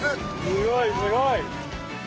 すごいすごい。